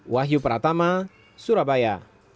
wahyu pratama surabaya